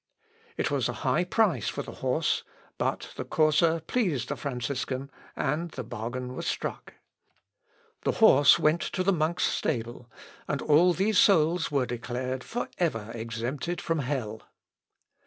It was a high price for the horse, but the courser pleased the Franciscan, and the bargain was struck. The horse went to the monk's stable, and all these souls were declared for ever exempted from hell.